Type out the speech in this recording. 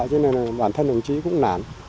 cho nên là bản thân đồng chí cũng nản